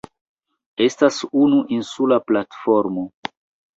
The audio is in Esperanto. Estas unu insula platformo.